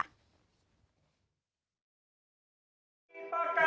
ชอบท่อนไหนครับ